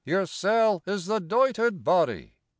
Yersel' is the doited body.